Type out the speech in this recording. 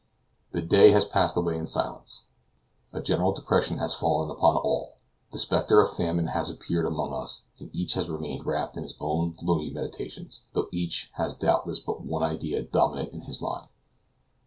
The day has passed away in silence. A general depression has fallen upon all; the specter of famine has appeared among us, and each has remained wrapped in his own gloomy meditations, though each has doubtless but one idea dominant in his mind.